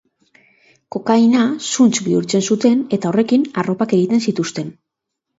Kokaina zuntz bihurtzen zuten eta horrekin arropak egiten zituzten.